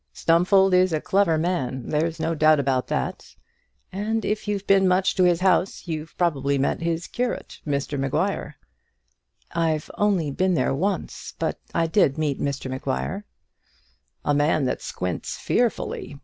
Stumfold is a clever man, there's no doubt about that. If you've been much to his house, you've probably met his curate, Mr Maguire." "I've only been there once, but I did meet Mr Maguire." "A man that squints fearfully.